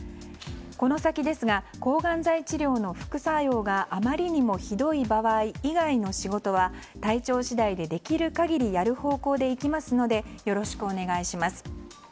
この先ですが抗がん剤治療の副作用があまりにもひどい場合以外の仕事は体調次第でできる限りやる方向でいきますのでよろしくお願いします。